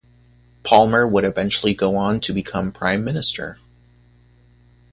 Palmer would eventually go on to become Prime Minister.